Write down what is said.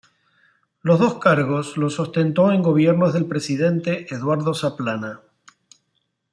Los dos cargos los ostentó en gobiernos del presidente Eduardo Zaplana.